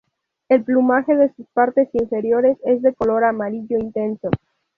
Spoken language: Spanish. El plumaje de sus partes inferiores es de color amarillo intenso.